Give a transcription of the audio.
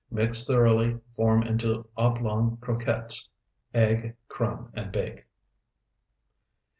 Mix thoroughly, form into oblong croquettes; egg, crumb, and bake.